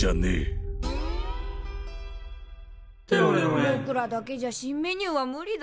ぼくらだけじゃ新メニューは無理だ。